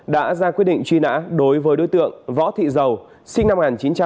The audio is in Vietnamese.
đã ra quyết định truy nã đối với đối tượng võ thị dầu sinh năm một nghìn chín trăm tám mươi